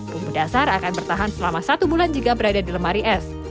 bumbu dasar akan bertahan selama satu bulan jika berada di lemari es